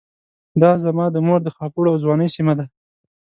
دا زما د مور د خاپوړو او ځوانۍ سيمه ده.